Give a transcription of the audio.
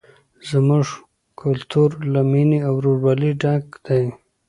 زموږ کلتور له مینې او ورورولۍ ډک دی.